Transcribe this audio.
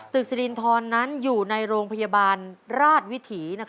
สิรินทรนั้นอยู่ในโรงพยาบาลราชวิถี